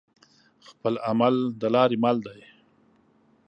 خپل عمل دلاری مل دی